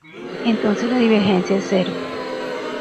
Entonces la divergencia es cero.